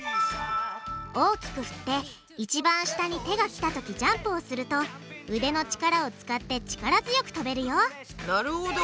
大きくふって一番下に手がきたときジャンプをすると腕の力を使って力強くとべるよなるほど。